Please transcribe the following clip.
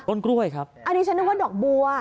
กล้วยครับอันนี้ฉันนึกว่าดอกบัว